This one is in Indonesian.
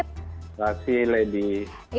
terima kasih lady